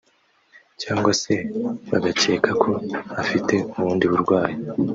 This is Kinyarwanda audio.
cyangwa se bagakeka ko afite ubundi burwayi